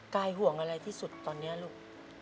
กายห่วงอะไรที่สุดตอนนี้ลูก